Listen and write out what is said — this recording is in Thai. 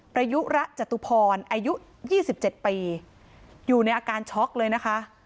ประยุระจตุพรอายุ๒๗ปีอยู่ในอาการช็อกเลยนะคะ